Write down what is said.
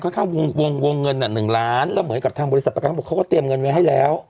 เขาเข้าวงวงเงินอ่ะหนึ่งล้านแล้วเหมือนกับทางบริษัทประกันเขาก็เตรียมเงินไว้ให้แล้ว